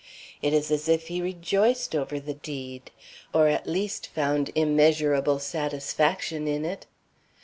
It is as if he rejoiced over the deed, or at least found immeasurable satisfaction in it."